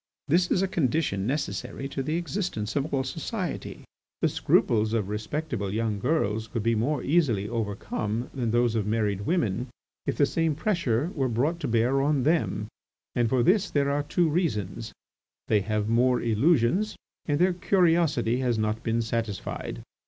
This is a condition necessary to the existence of all society. The scruples of respectable young girls could be more easily overcome than those of married women if the same pressure were brought to bear on them, and for this there are two reasons: they have more illusions, and their curiosity has not been satisfied.